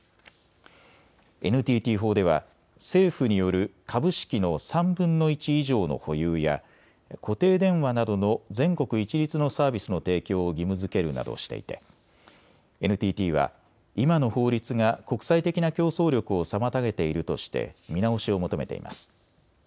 ＮＴＴ法では政府による株式の３分の１以上の保有や固定電話などの全国一律のサービスの提供を義務づけるなどしていてＮＴＴは今の法律が国際的な競争力を妨げているとして見直しを求めています。